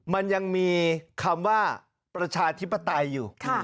มันยังมีคำว่าประชาธิปไตยอยู่